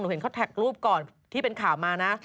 เห็นเขาแท็กรูปก่อนที่เป็นข่าวมานะ